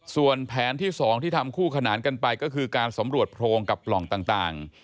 ส่วนแผนที่๒ที่ทำคู่ขนานกันไปก็คือการสำรวจโพรงกับปล่องต่าง